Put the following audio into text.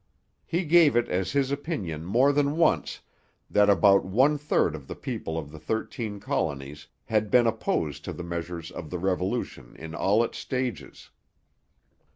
He gave it as his opinion more than once that about one third of the people of the Thirteen Colonies had been opposed to the measures of the Revolution in all its stages.